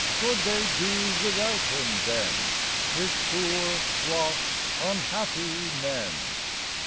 Could they do without Him then His poor lost unhappy men